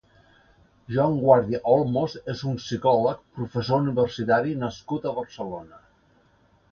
Joan Guàrdia Olmos és un psicòleg, professor universitari nascut a Barcelona.